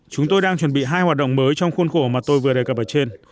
chúng tôi đang chuẩn bị hai hoạt động mới trong khuôn khổ mà tôi vừa đề cập ở trên